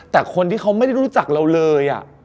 แต่คนที่เขาไม่ได้รู้จักเราเลย